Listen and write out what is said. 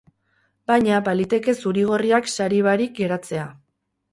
Baina, baliteke zuri-gorriak sari barik geratzea.